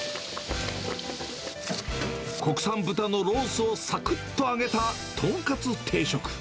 国産豚のロースをさくっと揚げたとんかつ定食。